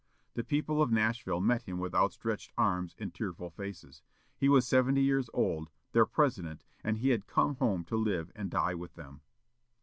The people of Nashville met him with outstretched arms and tearful faces. He was seventy years old, their President, and he had come home to live and die with them.